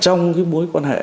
trong cái mối quan hệ